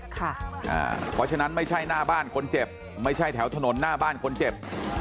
เพราะฉะนั้นไม่ใช่หน้าบ้านคนเจ็บไม่ใช่แถวถนนหน้าบ้านคนเจ็บ